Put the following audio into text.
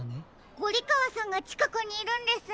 ゴリかわさんがちかくにいるんですね。